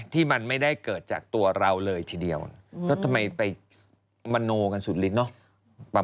ที่มันไม่ได้เกิดจากตัวเราเลยทีเดียวก็ทำไมไปมโนกันสุดลิ้นเนอะ